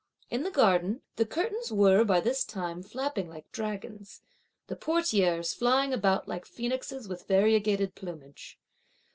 In the garden, the curtains were, by this time, flapping like dragons, the portieres flying about like phoenixes with variegated plumage.